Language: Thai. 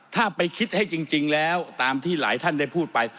ถ้าไปคิดให้จริงแล้วตามที่หลายท่านได้พูดไป